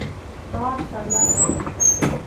ځواب تر لاسه کړ.